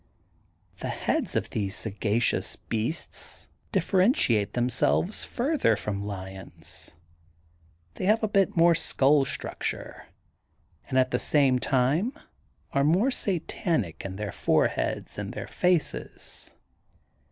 The heads of these sagacious beasts differentiate them further from lions. They have a bit more skull struc ture, and at the same time are more satanic in their foreheads and their faces.